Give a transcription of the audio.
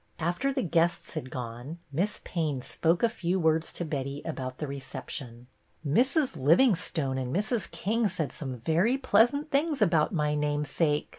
After the guests had gone. Miss Payne spoke a few words to Betty about the reception. " Mrs. Livingstone and Mrs. King said some very pleasant things about my name sake.